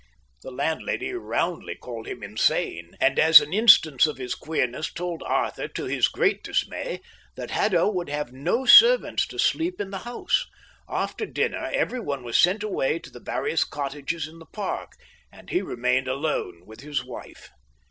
The landlady roundly called him insane, and as an instance of his queerness told Arthur, to his great dismay, that Haddo would have no servants to sleep in the house: after dinner everyone was sent away to the various cottages in the park, and he remained alone with his wife.